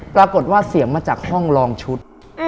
ปรากฏว่าเสียงมาจากห้องลองชุด